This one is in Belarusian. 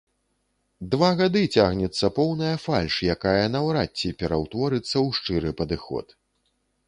Два гады цягнецца поўная фальш, якая наўрад ці пераўтворыцца ў шчыры падыход.